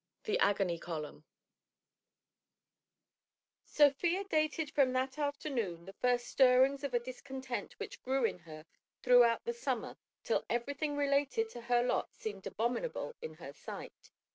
III THE AGONY COLUMN Sofia dated from that afternoon the first stirrings of a discontent which grew in her throughout the summer till everything related to her lot seemed abominable in her sight.